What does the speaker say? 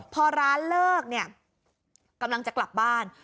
พอร้านเลิกเนี่ยกำลังจะกลับบ้าน